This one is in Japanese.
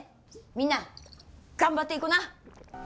みんな頑張っていこな！